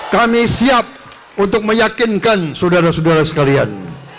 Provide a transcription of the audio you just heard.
kami siap untuk meyakinkan saudara saudara sekalian